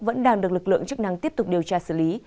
vẫn đang được lực lượng chức năng tiếp tục điều tra xử lý